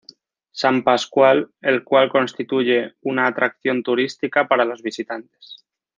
San Pasqual", el cual constituye una atracción turística para los visitantes.